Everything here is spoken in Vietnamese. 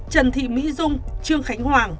trần thị mỹ dung trương khánh hoàng